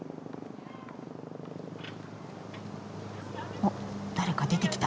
あっ誰か出てきた。